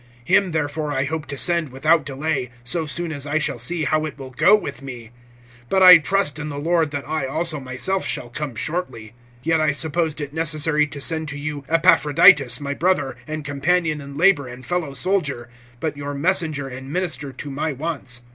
(23)Him therefore I hope to send without delay, so soon as I shall see how it will go with me; (24)but I trust in the Lord that I also myself shall come shortly. (25)Yet I supposed it necessary to send to you Epaphroditus, my brother, and companion in labor, and fellow soldier, but your messenger and minister to my wants.